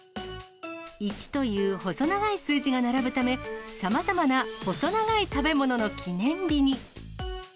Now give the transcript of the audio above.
１という細長い数字が並ぶため、さまざまな細長い食べ物の記念日に。